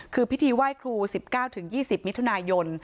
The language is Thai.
คือพิธีไหว้ครู๑๙๒๐มิถุนายน